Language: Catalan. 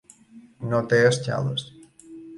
No té escales.